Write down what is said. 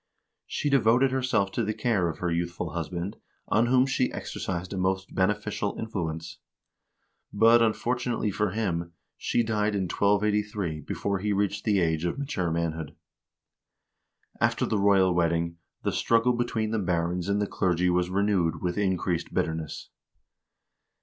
She devoted herself to the care of her youthful husband, on whom she exercised a most beneficial influence. But, unfortunately for him, she died in 1283 before he reached the age of mature manhood. After the royal wedding the struggle between the barons and the clergy was renewed with increased bitterness.